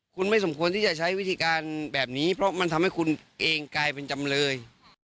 คุณไม่สมควรที่จะใช้วิธีการแบบนี้เพราะมันทำให้คุณเองกลายเป็นจำเลย